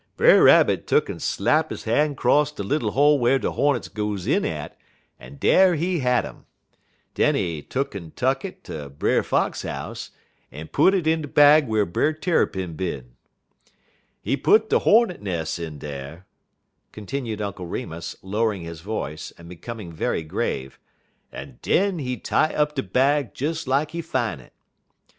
Brer Rabbit tuck'n slap he han' 'cross de little hole whar de hornets goes in at, en dar he had um. Den he tuck'n tuck it ter Brer Fox house, en put it in de bag whar Brer Tarrypin bin. "He put de hornet nes' in dar," continued Uncle Remus, lowering his voice, and becoming very grave, "en den he tie up de bag des lak he fine it.